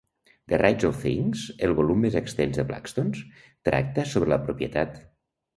The Rights of Things, el volum més extens de Blackstone, tracta sobre la propietat.